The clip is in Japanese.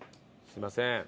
すいません。